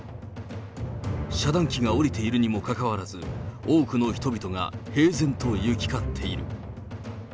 遮断機が下りているにもかかわらず、多くの人々が平然と行き交っている。